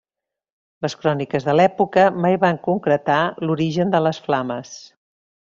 Les cròniques de l'època mai van concretar l'origen de les flames.